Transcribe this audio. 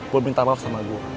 gue minta maaf sama gue